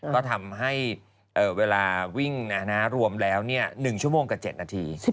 ก็ทำให้เวลาวิ่งรวมแล้ว๑ชั่วโมงกับ๗นาที